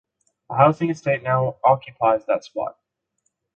A housing estate now occupies that spot.